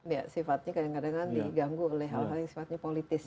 ya sifatnya kadang kadang diganggu oleh hal hal yang sifatnya politis